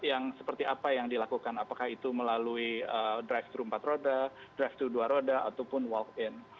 yang seperti apa yang dilakukan apakah itu melalui drive thru empat roda drive thru dua roda ataupun walk in